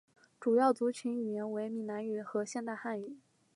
主要族群语言为闽南语和现代汉语。